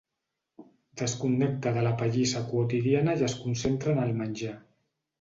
Desconnecta de la pallissa quotidiana i es concentra en el menjar.